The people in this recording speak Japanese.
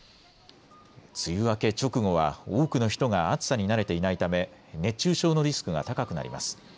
梅雨明け直後は多くの人が暑さに慣れていないため熱中症のリスクが高くなります。